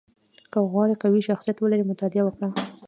• که غواړې قوي شخصیت ولرې، مطالعه وکړه.